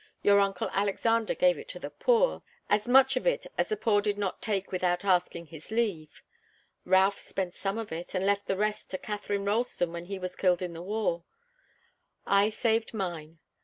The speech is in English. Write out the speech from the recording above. Your uncle Alexander gave it to the poor as much of it as the poor did not take without asking his leave. Ralph spent some of it, and left the rest to Katharine Ralston when he was killed in the war. I saved mine.